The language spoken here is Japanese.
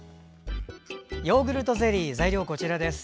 ヨーグルトゼリー材料はこちらです。